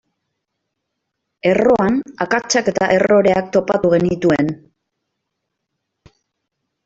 Erroan akatsak eta erroreak topatu genituen.